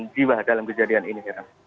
jiwa dalam kejadian ini